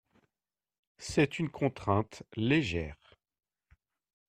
C’est une contrainte légère.